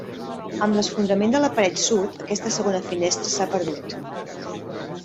Amb l'esfondrament de la paret sud, aquesta segona finestra s'ha perdut.